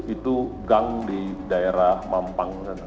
itu gang di daerah mampang